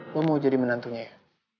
gue mau jadi menantunya ya